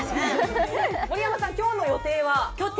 森山さん、今日の予定は？